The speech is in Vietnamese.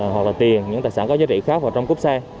hoặc là tiền những tài sản có giá trị khác vào trong cốp xe